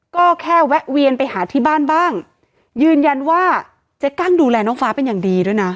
ก็แค่แวะเวียนไปหาที่บ้านบ้างยืนยันว่าเจ๊กั้งดูแลน้องฟ้าเป็นอย่างดีด้วยนะ